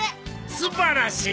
素晴らしい！